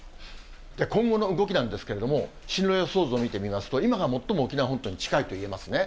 今後の動きなんですけれども、進路予想図を見てみますと、今が最も沖縄本島に近いといえますね。